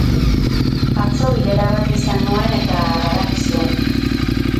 Atzo bilera bat izan nuen eta badakizu...